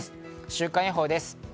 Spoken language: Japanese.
週間予報です。